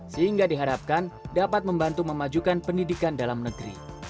sehingga diharapkan dapat membantu memajukan pendidikan dalam negeri